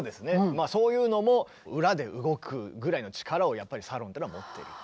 まあそういうのも裏で動くぐらいの力をやっぱりサロンっていうのは持ってる。